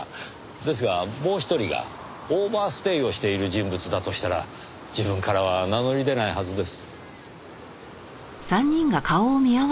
ですがもう一人がオーバーステイをしている人物だとしたら自分からは名乗り出ないはずです。